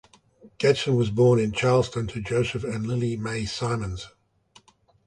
Gadsden was born in Charleston to Joseph and Lillie Mae Simmons.